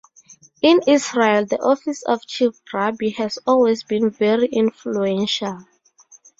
In Israel the office of Chief Rabbi has always been very influential.